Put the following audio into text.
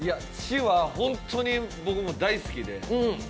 「チ」は本当に僕も大好きで。